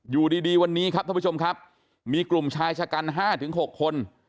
อยู่ดีวันนี้ครับท่านผู้ชมครับมีกลุ่มชายชะกัน๕๖คน